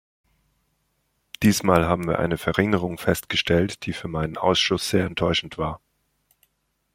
Dieses Mal haben wir eine Verringerung festgestellt, die für meinen Ausschuss sehr enttäuschend war.